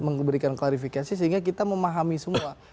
memberikan klarifikasi sehingga kita memahami semua